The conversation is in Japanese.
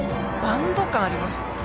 バンド感ありますよ。